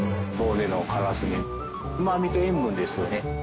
うまみと塩分ですよね。